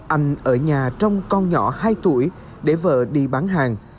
anh ở nhà trong con nhỏ hai tuổi để vợ đi bán hàng